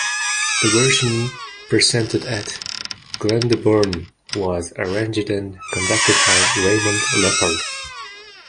The version presented at Glyndebourne was arranged and conducted by Raymond Leppard.